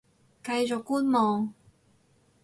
繼續觀望